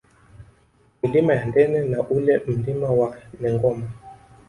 Milima ya Ndene na ule Mlima wa Nengoma